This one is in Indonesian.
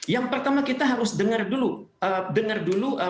yang pertama kita harus dengar dulu